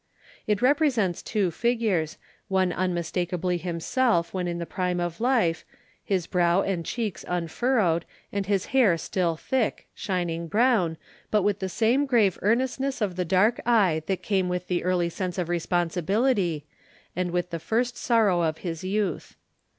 It represents two figures, one unmistakably himself when in the prime of life, his brow and cheeks unfurrowed, and his hair still thick, shining brown, but with the same grave earnestness of the dark eye that came with the early sense of responsibility, and with the first sorrow of his youth.